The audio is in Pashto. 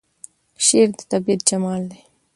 شعر د طبیعت جمال دی.